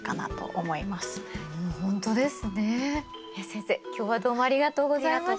先生今日はどうもありがとうございました。